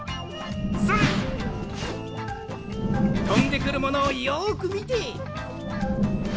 とんでくるものをよくみて。